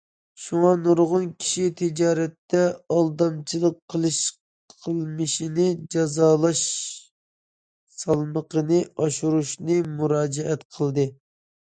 شۇڭا، نۇرغۇن كىشى تىجارەتتە ئالدامچىلىق قىلىش قىلمىشىنى جازالاش سالمىقىنى ئاشۇرۇشنى مۇراجىئەت قىلدى.